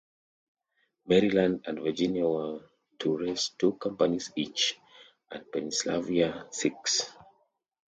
Maryland and Virginia were to raise two companies each, and Pennsylvania six.